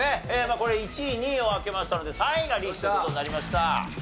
まあこれ１位２位を開けましたので３位がリーチという事になりました。